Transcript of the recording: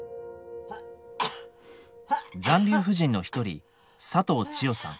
残留婦人の一人佐藤千代さん。